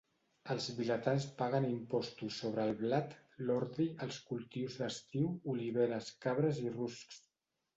Els vilatans paguen impostos sobre el blat, l'ordi, els cultius d'estiu, oliveres, cabres i ruscs.